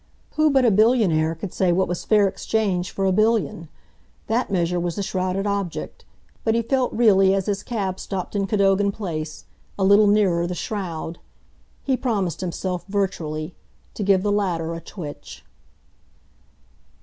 Who but a billionaire could say what was fair exchange for a billion? That measure was the shrouded object, but he felt really, as his cab stopped in Cadogan Place, a little nearer the shroud. He promised himself, virtually, to give the latter a twitch.